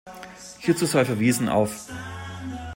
Hierzu sei verwiesen auf.